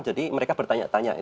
jadi mereka bertanya tanya